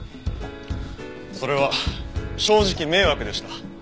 それは正直迷惑でした。